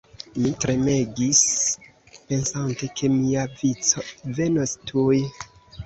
Mi tremegis pensante, ke mia vico venos tuj.